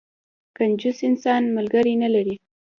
کنجوس انسان، ملګری نه لري.